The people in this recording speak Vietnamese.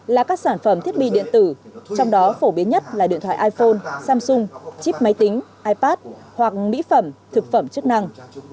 là các sản phẩm thiết bị điện tử trong đó phổ biến nhất là điện thoại iphone samsung chip máy tính ipad hoặc mỹ phẩm thực phẩm chức năng